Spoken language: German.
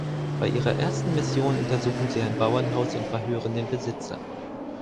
Bei ihrer ersten Mission untersuchen sie ein Bauernhaus und verhören den Besitzer.